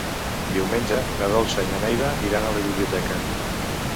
Diumenge na Dolça i na Neida iran a la biblioteca.